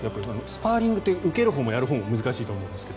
スパーリングって受けるほうも難しいと思います。